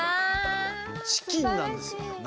チキンなんですよ。